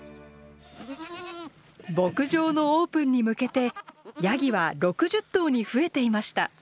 牧場のオープンに向けてヤギは６０頭に増えていました。